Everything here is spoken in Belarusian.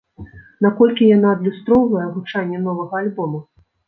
Наколькі яна адлюстроўвае гучанне новага альбома?